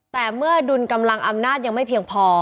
แต่เมื่อดุลกำลังอำนาจยังไม่เพียงพอ